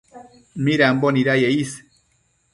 midambo nidaye is